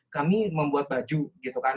kami membuat baju gitu kan